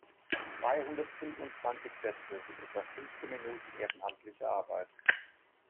Zweihundertfünfundzwanzig Sätze sind etwa fünfzehn Minuten ehrenamtliche Arbeit.